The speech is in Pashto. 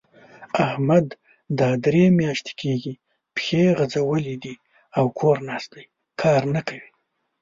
احمد دا درې مياشتې کېږي؛ پښې غځولې دي او کور ناست؛ کار نه کوي.